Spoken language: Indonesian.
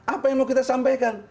apa yang mau kita sampaikan